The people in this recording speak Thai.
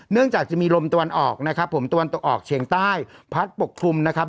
จากจะมีลมตะวันออกนะครับผมตะวันตกออกเชียงใต้พัดปกคลุมนะครับ